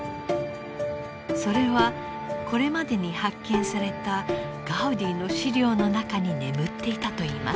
それはこれまでに発見されたガウディの資料の中に眠っていたといいます。